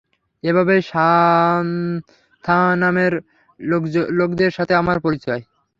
এভাবেই সান্থানামের লোকদের সাথে আমার পরিচয়।